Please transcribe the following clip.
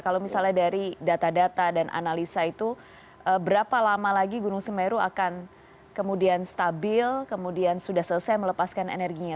kalau misalnya dari data data dan analisa itu berapa lama lagi gunung semeru akan kemudian stabil kemudian sudah selesai melepaskan energinya